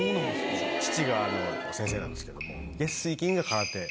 父が先生なんですけども。